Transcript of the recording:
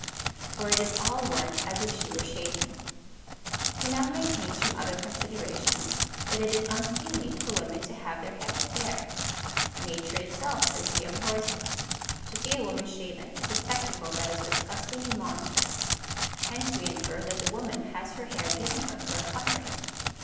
For it is all one as if she were shaven. He now maintains from other considerations, that it is unseemly for women to have their heads bare. Nature itself, says he, abhors it. To see a woman shaven is a spectacle that is disgusting and monstrous. Hence we infer that the woman has her hair given her for a covering.